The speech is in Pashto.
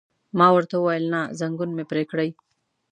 ما ورته وویل: نه، ځنګون مې پرې کړئ.